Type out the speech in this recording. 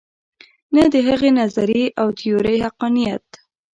نه د هغې نظریې او تیورۍ حقانیت.